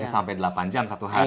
sampai delapan jam satu hari